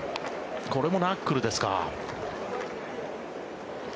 これもナックルですか。